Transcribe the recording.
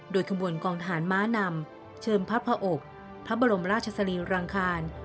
ขบวนกองฐานม้านำเชิงพระพระอกพระบรมราชสรีรังคาร